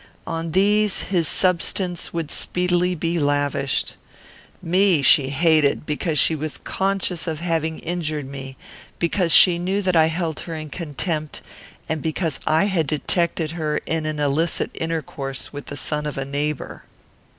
On these his substance would speedily be lavished. Me she hated, because she was conscious of having injured me, because she knew that I held her in contempt, and because I had detected her in an illicit intercourse with the son of a neighbour.